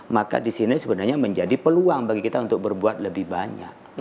maka di sini sebenarnya menjadi peluang bagi kita untuk berbuat lebih banyak